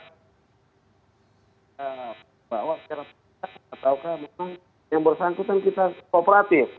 kita bawa secara percaya ataukah memang yang bersangkutan kita kooperatif